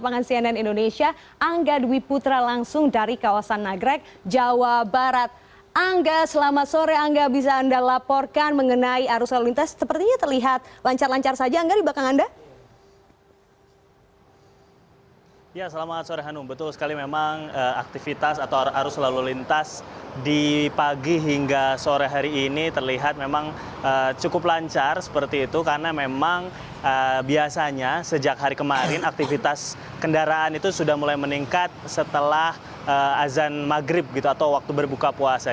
pagi hingga sore hari ini terlihat memang cukup lancar seperti itu karena memang biasanya sejak hari kemarin aktivitas kendaraan itu sudah mulai meningkat setelah azan maghrib gitu atau waktu berbuka puasa